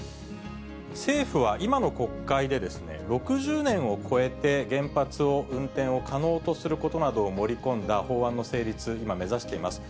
政府は今の国会で、６０年を超えて原発を運転を可能とすることなどを盛り込んだ法案の成立、今、目指しています。